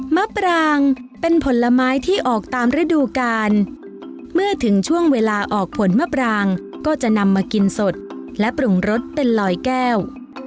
มะปรางเป็นผลไม้ที่ออกตามฤดูกาลเมื่อถึงช่วงเวลาออกผลมะปรางก็จะนำมากินสดและปรุงรสเป็นลอยแก้ว